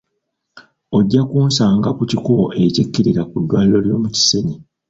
Ojja kunsanga ku kikubo ekikkirira ku ddwaliro ly'omu Kisenyi.